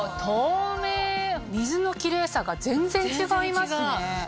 水のキレイさが全然違いますね。